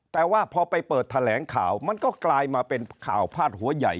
แต่ว่าพอไปเปิดแถลงข่าวมันก็กลายมาเป็นข่าวพาดหัวใหญ่